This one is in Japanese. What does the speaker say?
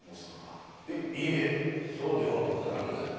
いえそうではござらぬ。